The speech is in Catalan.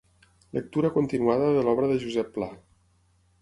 Lectura continuada de l'obra de Josep Pla.